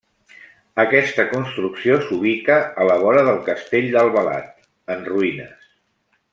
Aquesta construcció s'ubica a la vora del Castell d'Albalat, en ruïnes.